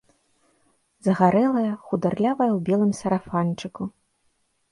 Загарэлая, хударлявая ў белым сарафанчыку.